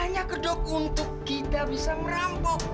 hanya kedok untuk kita bisa merampok